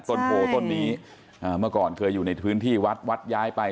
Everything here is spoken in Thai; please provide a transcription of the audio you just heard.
โผต้นนี้เมื่อก่อนเคยอยู่ในพื้นที่วัดวัดย้ายไป